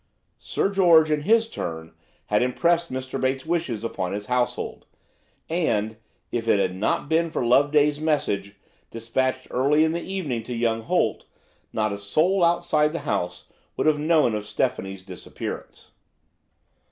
Sir George in his turn had impressed Mr. Bates's wishes upon his household, and if it had not been for Loveday's message, dispatched early in the evening to young Holt, not a soul outside the house would have known of Stephanie's disappearance.